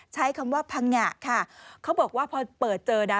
ใช้คำว่าพังงะค่ะเขาบอกว่าพอเปิดเจอนะ